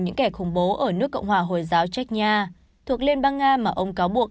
những kẻ khủng bố ở nước cộng hòa hồi giáo chechnya thuộc liên bang nga mà ông cáo buộc